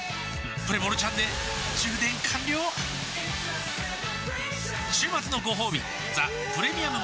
プレモルちゃんで充電完了週末のごほうび「ザ・プレミアム・モルツ」